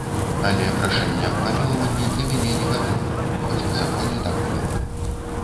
Але прашэння аб памілаванні для мяне не галоўнае, хоць па законе так трэба.